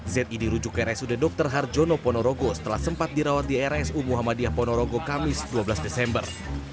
zi dirujuk ke rsud dr harjono ponorogo setelah sempat dirawat di rsu muhammadiyah ponorogo kamis dua belas desember